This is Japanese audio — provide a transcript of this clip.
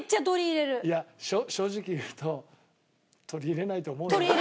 いや正直言うと取り入れないと思うよ。